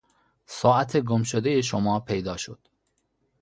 ساعت گمشدهی شما پیدا شد.